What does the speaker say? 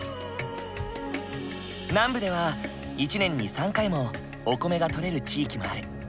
南部では１年に３回もお米が取れる地域もある。